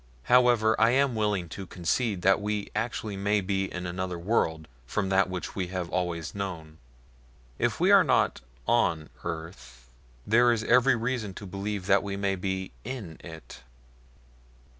However I am willing to concede that we actually may be in another world from that which we have always known. If we are not ON earth, there is every reason to believe that we may be IN it."